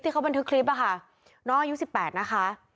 เขาบันทึกคลิปอะค่ะน้องอายุ๑๘นะคะ